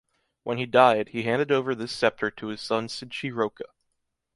When he died, he handed over this scepter to his son Sinchi Roca.